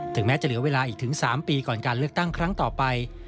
แม้จะเหลือเวลาอีกถึง๓ปีก่อนการเลือกตั้งครั้งต่อไป